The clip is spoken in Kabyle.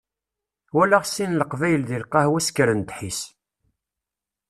Walaɣ sin n Leqbayel deg lqahwa ssekren ddḥis.